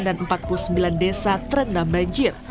dan empat puluh sembilan desa terendam banjir